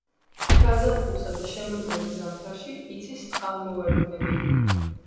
გაზაფხულსა და შემოდგომა-ზამთარში იცის წყალმოვარდნები.